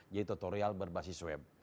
jadi tutorial berbasis web